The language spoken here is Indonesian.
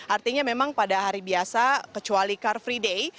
artinya memang pada hari biasa kecuali car free day